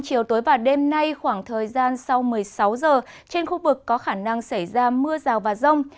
chiều tối và đêm nay khoảng thời gian sau một mươi sáu giờ trên khu vực có khả năng xảy ra mưa rào và rông